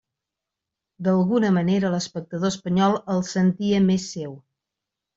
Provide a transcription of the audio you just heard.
D'alguna manera l'espectador espanyol el sentia més seu.